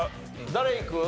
誰いく？